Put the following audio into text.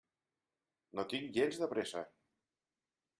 No tinc gens de pressa.